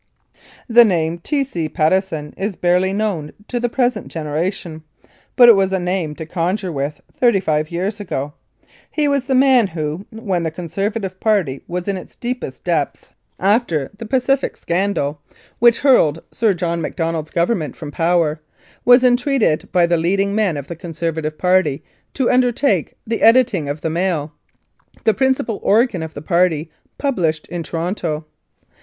The name T. C. Patteson is barely known to the present generation, but it was a name to conjure with thirty five years ago. He was the man who, when the Conservative party was in its deepest depths after the 61 Mounted Police Life in Canada "Pacific Scandal/' which hurled Sir John Macdonald's Government from power, was entreated by the leading men of the Conservative party to undertake the editing of The Mail, the principal organ of the party published in Toronto.